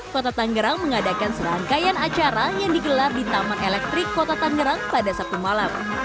kota tanggerang mengadakan serangkaian acara yang digelar di taman elektrik kota tangerang pada sabtu malam